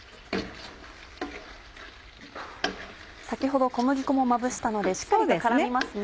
先ほど小麦粉もまぶしたのでしっかりと絡みますね。